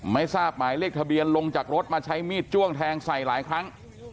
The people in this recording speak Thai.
ไม่ทราบหมายเลขทะเบียนลงจากรถมาใช้มีดจ้วงแทงใส่หลายครั้ง